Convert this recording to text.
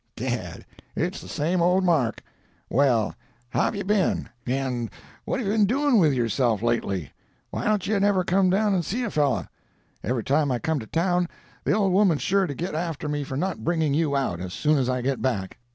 'Gad, it's the same old Mark! Well, how've you been—and what have you been doing with yourself lately? Why don't you never come down and see a fellow? Every time I come to town, the old woman's sure to get after me for not bringing you out, as soon as I get back.